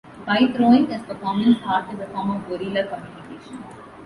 Pie-throwing as performance art is a form of guerrilla communication.